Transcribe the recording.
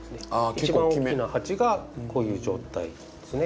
一番大きな鉢がこういう状態ですね。